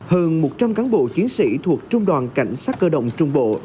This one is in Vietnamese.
hơn một trăm linh cán bộ chiến sĩ thuộc trung đoàn cảnh sát cơ động trung bộ